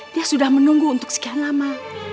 dia sudah menunggu untuk sekian lama